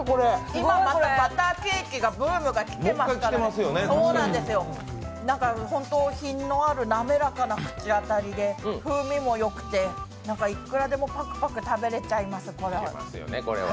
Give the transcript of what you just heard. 今、またバターケーキがブームが来てますから、本当に品のある滑らかな口当たりで風味もよくて、いくらでもパクパク食べれちゃいます。